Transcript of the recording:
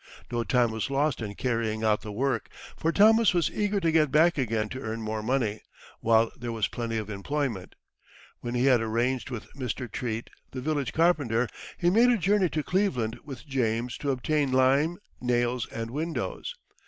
No time was lost in carrying out the work, for Thomas was eager to get back again to earn more money while there was plenty of employment. When he had arranged with Mr. Treat, the village carpenter, he made a journey to Cleveland with James to obtain lime, nails, and windows.